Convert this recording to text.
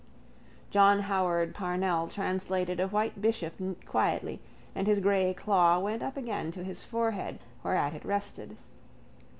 John Howard Parnell translated a white bishop quietly and his grey claw went up again to his forehead whereat it rested.